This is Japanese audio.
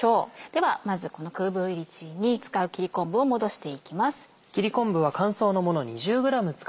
ではまずこのクーブイリチーに使う切り昆布をもどしていきます。